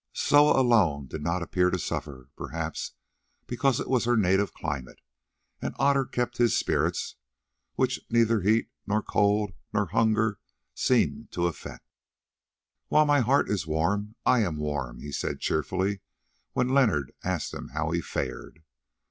Soa alone did not appear to suffer, perhaps because it was her native climate, and Otter kept his spirits, which neither heat, nor cold, nor hunger seemed to affect. "While my heart is warm I am warm," he said cheerfully, when Leonard asked him how he fared.